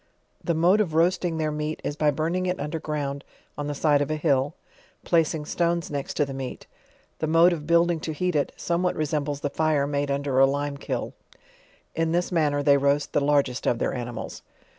The mode of roasting their meat, is by burning it under ground on the side of a hill, placing stones next to the meat; the mode of building to heat ii, somewhat resembles the fire made under a lime kiln. In this manner they roast the lar gest of their animals.